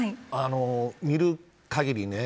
見るかぎりね。